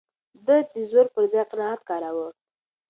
ده د زور پر ځای قناعت کاراوه.